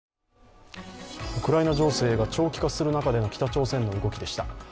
ウクライナ情勢が長期化する中での北朝鮮の動きでした。